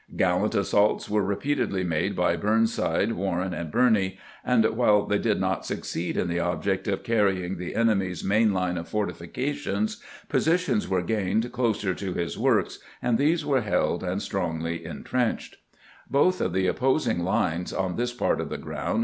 Gallant assaults were repeatedly made by Burnside, Warren, and Birney ; and while they did not succeed in the object of carrying the enemy's main line of fortifications, positions were gained closer to his works, and these were held and strongly intrenched. MEADE IN ACTION 209 Both of the opposing lines on this part of the ground